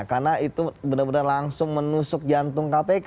karena itu benar benar langsung menusuk jantung kpk